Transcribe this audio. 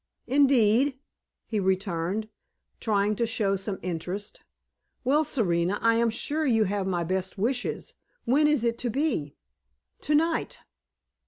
"Indeed?" he returned, trying to show some interest. "Well, Serena, I am sure you have my best wishes. When is it to be?" "Tonight."